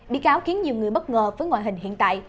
bị cáo khiến nhiều người bất ngờ với ngoại hình hiện tại